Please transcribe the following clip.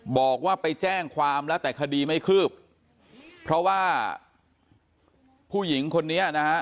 บอกว่าไปแจ้งความแล้วแต่คดีไม่คืบเพราะว่าผู้หญิงคนนี้นะฮะ